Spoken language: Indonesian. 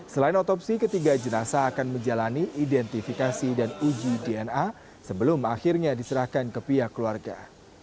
selain otopsi ketiga jenasa akan menjalani identifikasi dan uji dna sebelum akhirnya diserahkan ke pihak keluarga